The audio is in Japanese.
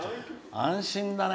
安心だね。